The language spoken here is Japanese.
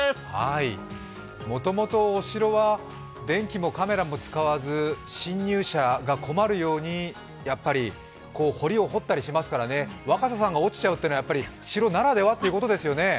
もともとお城は電気もカメラも使わず侵入者が困るようにやっぱり濠を掘ったりしますから、若狭さんが落ちちゃうというのは城ならではっていうことですよね。